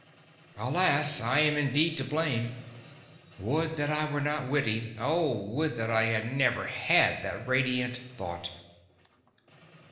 Alas, I am indeed to blame. Would that I were not witty; oh, would that I had never had that radiant thought!